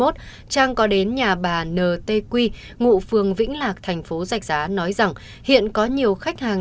trang có đến nhà bà n t quy ngụ phường vĩnh lạc tp rạch giá nói rằng hiện có nhiều khách hàng